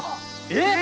えっ！？